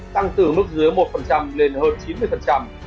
tăng từ mức dưới một lên hơn chín mươi